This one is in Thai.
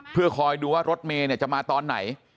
เพื่อคอยดูว่ารถเมย์จะมาตอนไหน